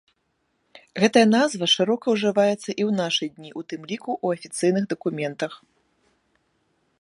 Гэтая назва шырока ўжываецца і ў нашы дні, у тым ліку ў афіцыйных дакументах.